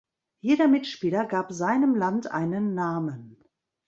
Jeder Mitspieler gab seinem Land einen Namen.